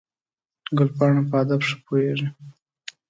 ګلپاڼه په هدف ښه پوهېږي.